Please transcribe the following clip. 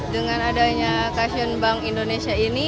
dengan adanya kasion bank indonesia ini